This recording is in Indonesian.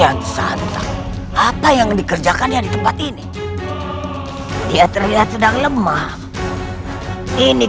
dan santai apa yang dikerjakan yang di tempat ini dia terlihat sedang lemah ini